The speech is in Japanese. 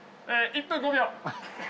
１分５秒。